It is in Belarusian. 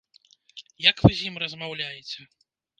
Як вы з ім размаўляеце?